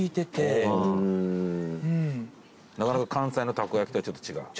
関西のたこ焼きとはちょっと違う？